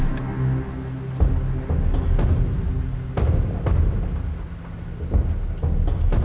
terima kasih men